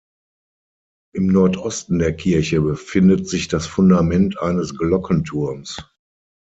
Im Nordosten der Kirche findet sich das Fundament eines Glockenturms.